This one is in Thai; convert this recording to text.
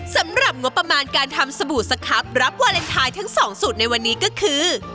สำหรับงบประมาณการทำสบู่สครับรับวาเลนไทยทั้งสองสูตรในวันนี้ก็คือ